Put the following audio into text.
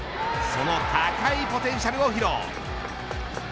その高いポテンシャルを披露。